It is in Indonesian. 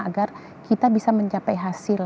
agar kita bisa mencapai hasil